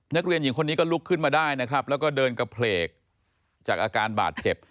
นักเรียนหญิงคนนี้ก็ลุกขึ้นมาได้นะครับแล้วก็เดินกระเพลกจากอาการบาดเจ็บ